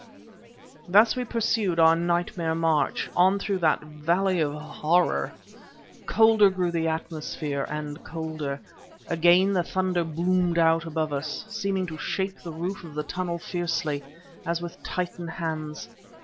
Thus we pursued our nightmare march, on through that valley of horror. Colder grew the atmosphere and colder. Again the thunder boomed out above us, seeming to shake the roof of the tunnel fiercely, as with Titan hands.